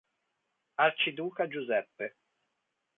Arciduca Giuseppe